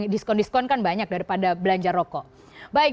diskon diskon kan banyak daripada belanja rokok